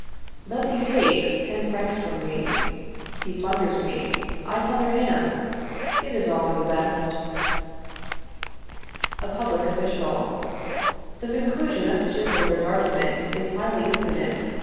Thus he takes ten francs from me. He plunders me; I plunder him. It is all for the best. "A Public Official. The conclusion of the ship builder's argument is highly imprudent.